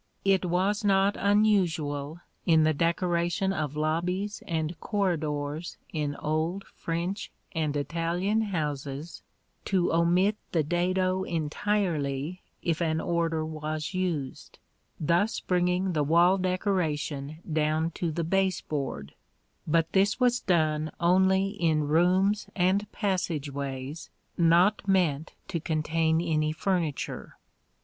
It was not unusual, in the decoration of lobbies and corridors in old French and Italian houses, to omit the dado entirely if an order was used, thus bringing the wall decoration down to the base board; but this was done only in rooms or passage ways not meant to contain any furniture.